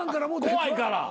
怖いから。